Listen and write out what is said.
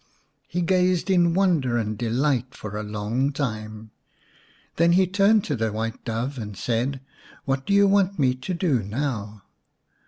He gazed in wonder and delight for a long time. Then he turned to the White Dove and said, " What do you want me to do now